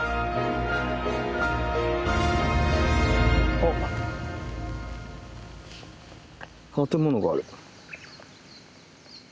あっ建物がある。